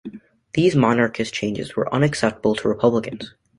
These monarchist changes were unacceptable to republicans.